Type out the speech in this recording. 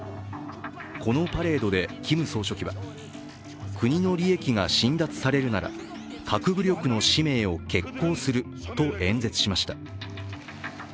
このパレードでキム総書記は国の利益が侵奪されるなら核武力の使命を決行すると演説しました。